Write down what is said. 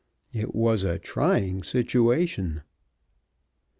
It was a trying situation.